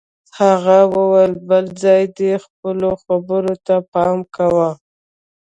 هغه وویل بل ځل دې خپلو خبرو ته پام کوه